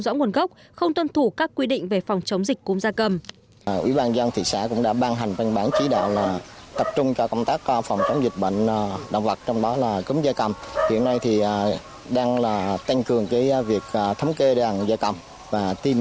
rõ nguồn gốc không tuân thủ các quy định về phòng chống dịch cúm da cầm